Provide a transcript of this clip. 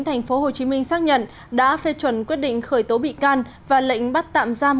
tp hcm xác nhận đã phê chuẩn quyết định khởi tố bị can và lệnh bắt tạm giam